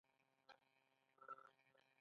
د پردیو کلتور خپلول هویت وژني.